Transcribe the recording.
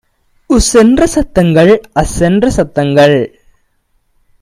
உஸ்என்ற சத்தங்கள், அஸ்என்ற சத்தங்கள்